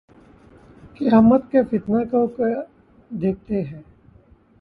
قیامت کے فتنے کو، کم دیکھتے ہیں